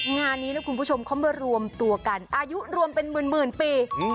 งานนี้นะคุณผู้ชมเขามารวมตัวกันอายุรวมเป็นหมื่นปี